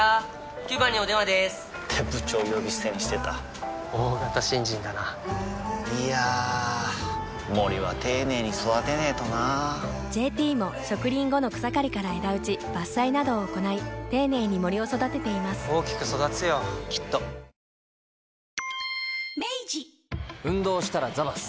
９番にお電話でーす！って部長呼び捨てにしてた大型新人だないやー森は丁寧に育てないとな「ＪＴ」も植林後の草刈りから枝打ち伐採などを行い丁寧に森を育てています大きく育つよきっと明治動したらザバス。